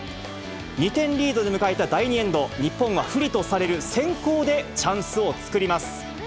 ２点リードで迎えた第２エンド、日本は不利とされる先攻でチャンスを作ります。